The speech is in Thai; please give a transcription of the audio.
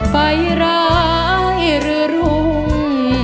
ไฟร้ายหรือรุ่ง